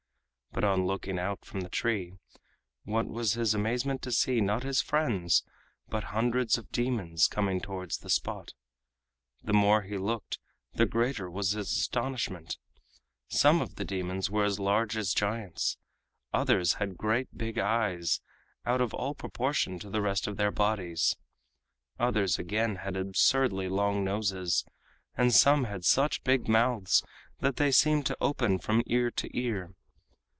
But on looking out from the tree, what was his amazement to see, not his friends, but hundreds of demons coming towards the spot. The more he looked, the greater was his astonishment. Some of these demons were as large as giants, others had great big eyes out of all proportion to the rest of their bodies, others again had absurdly long noses, and some had such big mouths that they seemed to open from ear to ear.